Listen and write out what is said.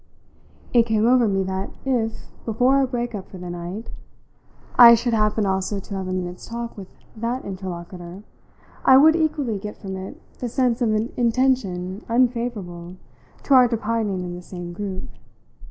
It came over me that if, before our break up for the night, I should happen also to have a minute's talk with that interlocutor, I would equally get from it the sense of an intention unfavourable to our departing in the same group.